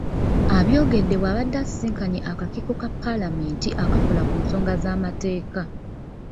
Abyogedde bw'abadde asisinkanye akakiiko ka Paalamenti akakola ku nsonga z'amateeka.